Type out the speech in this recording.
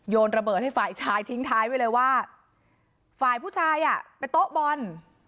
ระเบิดให้ฝ่ายชายทิ้งท้ายไว้เลยว่าฝ่ายผู้ชายอ่ะไปโต๊ะบอล